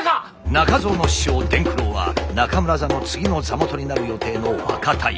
中蔵の師匠傳九郎は中村座の次の座元になる予定の若太夫。